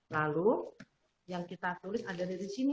lalu yang kita tulis ada dari sini